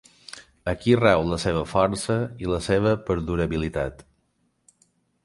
Aquí rau la seva força i la seva perdurabilitat.